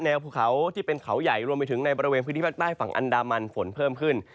ภูเขาที่เป็นเขาใหญ่รวมไปถึงในบริเวณพื้นที่ภาคใต้ฝั่งอันดามันฝนเพิ่มขึ้น